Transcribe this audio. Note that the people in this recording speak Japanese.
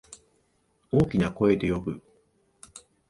大きな声で呼ぶ。